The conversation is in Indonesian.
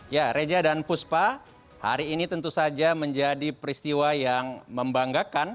ya reja dan puspa hari ini tentu saja menjadi peristiwa yang membanggakan